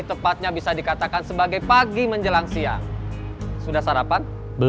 nanti aku sedang berpenteleponan